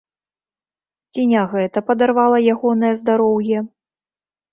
Ці не гэта падарвала ягонае здароўе?